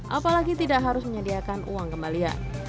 apalagi tidak harus menyediakan uang kembalian